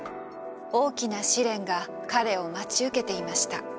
大きな試練が彼を待ち受けていました。